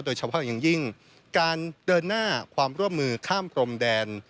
โดยเฉพาะอย่างยิ่งการเดินหน้าความร่วมมือข้ามพรมแดน